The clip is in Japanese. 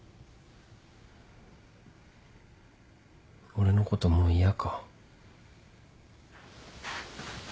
俺のこともう嫌か。